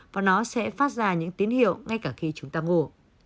và nó sẽ phát ra những tín hiệu ngay cả khi chúng ta ngủ